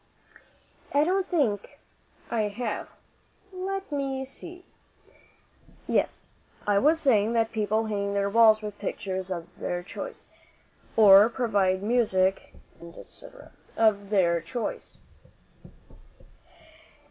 "I don't think I have. Let me see. Yes. I was saying that people hang their walls with pictures of their choice; or provide music, &c., of their choice.